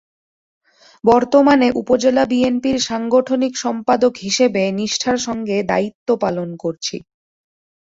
বর্তমানে উপজেলা বিএনপির সাংগঠনিক সম্পাদক হিসেবে নিষ্ঠার সঙ্গে দায়িত্ব পালন করছি।